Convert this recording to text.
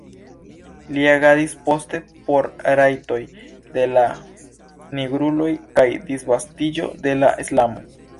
Li agadis poste por rajtoj de la nigruloj kaj disvastiĝo de la islamo.